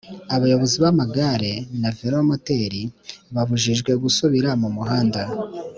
abayobozi b ‘amagare na velomoteri babujijwe gusubira mumuhanda.